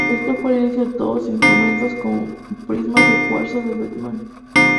Esto fue el inicio de todos instrumentos con prismas de cuarzo de Beckman.